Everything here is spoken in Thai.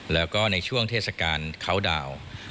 แล้วก็ในช่วงเทศกาลเขาดาวน์